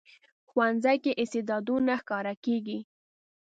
ښوونځی کې استعدادونه ښکاره کېږي